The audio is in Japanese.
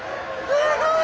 すごい！